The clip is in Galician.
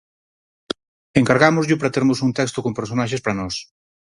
Encargámosllo para termos un texto con personaxes para nós.